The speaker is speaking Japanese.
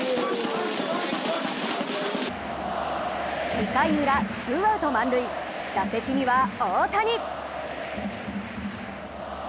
２回ウラ、ツーアウト満塁打席には大谷。